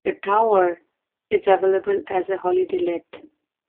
The tower is available as a holiday let.